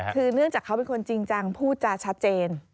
คือเนื่องจากเขาเป็นคนจริงจังพูดจาชัดเจน